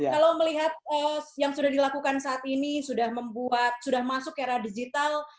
kalau melihat yang sudah dilakukan saat ini sudah membuat sudah masuk era digital